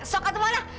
sok atuh mana